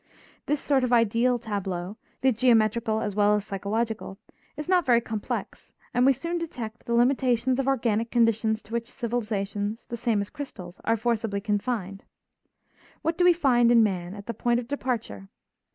This sort of ideal tableau, the geometrical as well as psychological, is not very complex, and we soon detect the limitations of organic conditions to which civilizations, the same as crystals, are forcibly confined. What do we find in man at the point of departure?